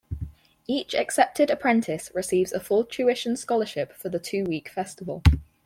Each accepted apprentice receives a full tuition scholarship for the two-week festival.